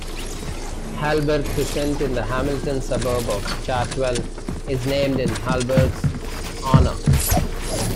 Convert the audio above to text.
Halberg Crescent, in the Hamilton suburb of Chartwell, is named in Halberg's honour.